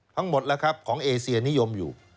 ทั้งหมดแล้วครับของเอเซียนิยมอยู่